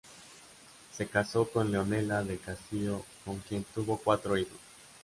Se casó con Leonela del Castillo con quien tuvo cuatro hijos.